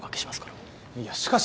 いやしかし。